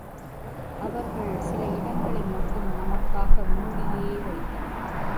அவர்கள் சில இடங்களை மட்டும் நமக்காக மூடியே வைத்தனர்.